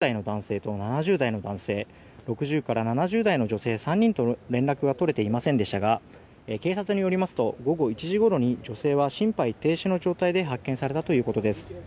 この土砂崩れで５０代の男性と７０代の男性６０から７０代の女性３人と連絡が取れていませんでしたが警察によりますと午後１時ごろに女性は心肺停止の状態で発見されたということです。